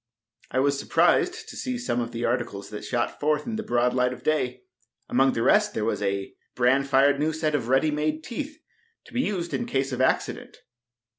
I was surprised to see some of the articles that shot forth into the broad light of day. Among the rest there was a bran fired new set of ready made teeth, to be used in case of accident.